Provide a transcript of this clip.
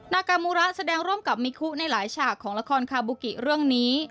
นากามูระแสดงร่วมกับมิคุในหลายฉากของละครคาบูกิเรื่องนี้